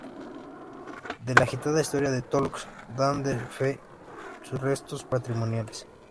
De la agitada historia de Tolox dan fe sus restos patrimoniales.